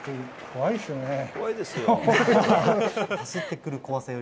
怖いですよ。